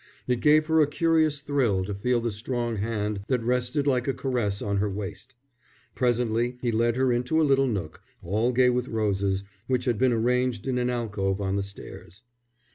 It gave her a curious thrill to feel the strong hand that rested like a caress on her waist. Presently he led her into a little nook, all gay with roses, which had been arranged in an alcove on the stairs.